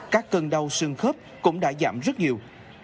các cơn đau xương khớp cũng đã giảm rất nhiều